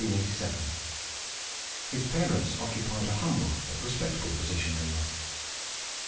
His parents occupied a humble but respectable position in life.